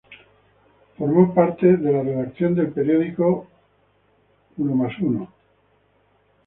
Formó parte de la redacción del periódico Unomásuno.